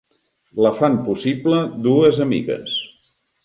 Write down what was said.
La fan possible dues amigues.